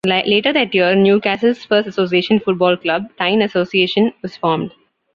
Later that year, Newcastle's first association football club, Tyne Association, was formed.